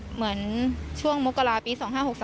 เหมือนช่วงมกราปี๒๕๖๓